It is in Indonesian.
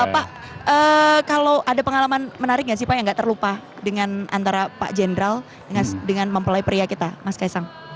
pak kalau ada pengalaman menarik nggak sih pak yang gak terlupa dengan antara pak jenderal dengan mempelai pria kita mas kaisang